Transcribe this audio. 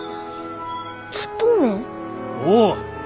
おう！